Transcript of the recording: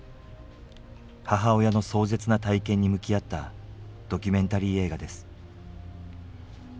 母親の壮絶な体験に向き合ったドキュメンタリー映画です。